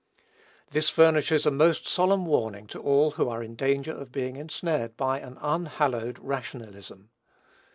This furnishes a most solemn warning to all who are in danger of being ensnared by an unhallowed rationalism.